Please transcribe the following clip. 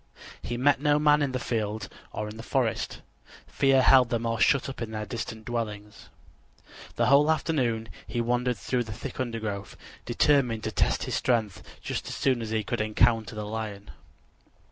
He met no man in the field or in the forest: fear held them all shut up in their distant dwellings. The whole afternoon he wandered through the thick undergrowth, determined to test his strength just as soon as he should encounter the lion.